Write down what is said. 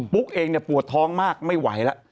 ปุ๊กเองเนี่ยปวดท้องมากไม่ไหวล่ะ